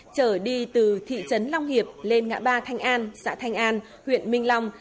trở đi từ thị trấn long hiệp lên ngã ba thanh an xã thanh an huyện minh long